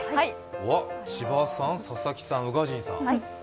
千葉さん、佐々木さん、宇賀神さん。